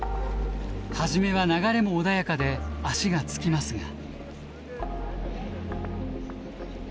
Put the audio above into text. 初めは流れも穏やかで足が着きますが。